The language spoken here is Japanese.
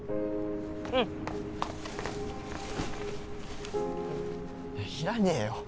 うんいらねえよ